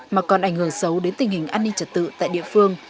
mà còn ảnh hưởng xấu đến tình hình an ninh trật tự tại địa phương